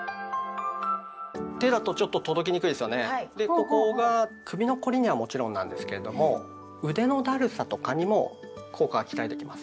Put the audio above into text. ここが首の凝りにはもちろんなんですけれども腕のだるさとかにも効果が期待できます。